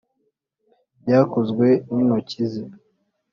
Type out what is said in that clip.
byakozwe n’intoki ze.